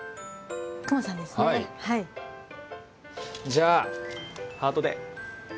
じゃあハートで。